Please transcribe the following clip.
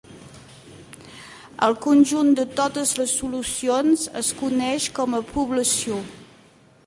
El conjunt de totes les solucions es coneix com a "població".